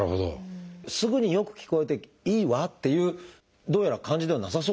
すぐに「よく聞こえていいわ」っていうどうやら感じではなさそうですね。